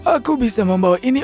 aku bisa membawa ini ke rumah